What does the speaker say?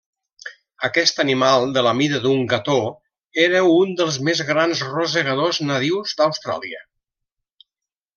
Aquest animal de la mida d'un gató era un dels més grans rosegadors nadius d'Austràlia.